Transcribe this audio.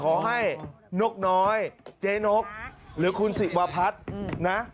ขอให้นกน้อยเจ๊นกหรือคุณศิวาพัฒน์นะ